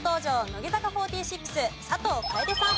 乃木坂４６佐藤楓さん。